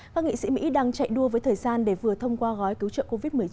các nghị sĩ mỹ đang chạy đua với thời gian để vừa thông qua gói cứu trợ covid một mươi chín